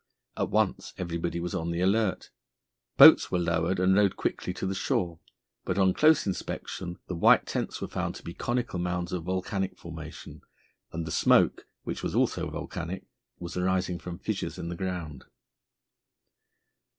At once everybody was on the alert. Boats were lowered and rowed quickly to the shore, but on close inspection the white tents were found to be conical mounds of volcanic formation, and the smoke, which was also volcanic, was rising from fissures in the ground.